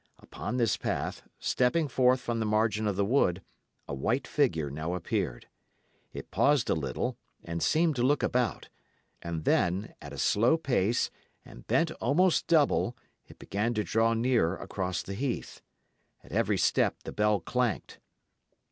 Upon this path, stepping forth from the margin of the wood, a white figure now appeared. It paused a little, and seemed to look about; and then, at a slow pace, and bent almost double, it began to draw near across the heath. At every step the bell clanked.